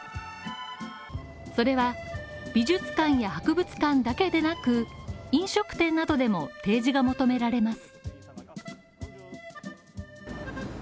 それは、美術館や博物館だけでなく、飲食店などでも提示が求められます。